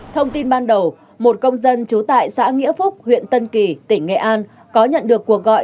thông tin ban đầu một công dân trú tại xã nghĩa phúc huyện tân kỳ tỉnh nghệ an có nhận được cuộc gọi